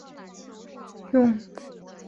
雍正十三年八月清高宗即位沿用。